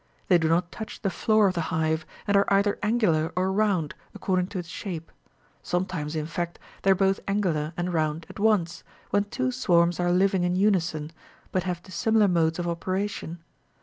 They do not touch the floor of the hive, and are either angular or round, according to its shape ; sometimes, in fact, they are both angular and round at once, when two swarms are living in unison, but have dissimilar modes of operation.